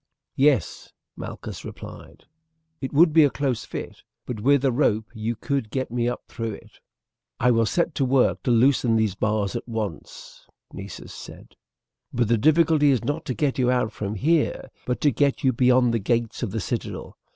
"Yes," Malchus replied; "it would be a close fit, but with a rope you could get me up through it." "I will set to work to loosen these bars at once," Nessus said; "but the difficulty is not to get you out from here, but to get you beyond the gates of the citadel.